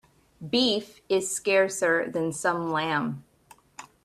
Beef is scarcer than some lamb.